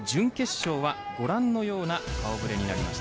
準決勝はご覧のような顔触れになりました。